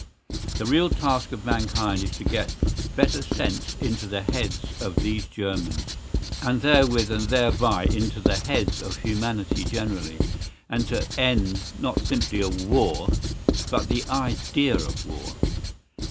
The real task of mankind is to get better sense into the heads of these Germans, and therewith and thereby into the heads of humanity generally, and to end not simply a war, but the idea of war.